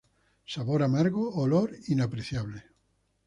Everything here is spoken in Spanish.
Sabor amargo, olor inapreciable.